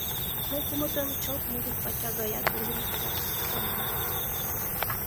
Ме кумытын чылт мужыр пача гаяк лийын пытенна.